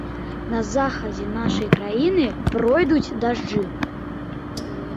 На захадзе нашай краіны пройдуць дажджы.